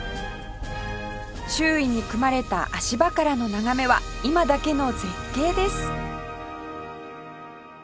周囲に組まれた足場からの眺めは今だけの絶景です